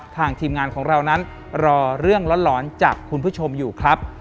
ทีมงานของเรานั้นรอเรื่องร้อนจากคุณผู้ชมอยู่ครับ